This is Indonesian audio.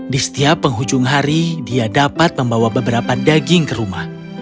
di setiap penghujung hari dia dapat membawa beberapa daging ke rumah